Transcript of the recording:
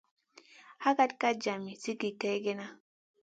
Hakak ka djami sigi kegena.